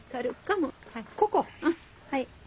はい。